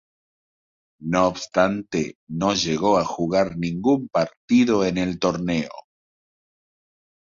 No obstante, no llegó a jugar ningún partido en el torneo.